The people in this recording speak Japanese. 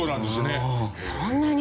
そんなに！